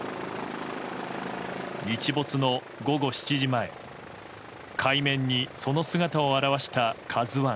日没の午後７時前海面にその姿を現した「ＫＡＺＵ１」。